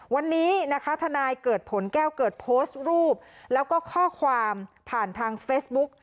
วันนี้นะคะทนายเกิดผลแก้วเกิดโพสต์รูปแล้วก็ข้อความผ่านทางเฟซบุ๊ก